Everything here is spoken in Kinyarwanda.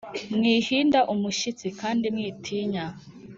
mwihinda umushyitsi, kandi mwitinya!